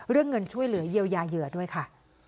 เรื่องเงินช่วยเหลือเยียวยาเหยื่อด้วยค่ะ